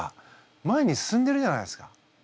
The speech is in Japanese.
前に進んでるじゃないですか。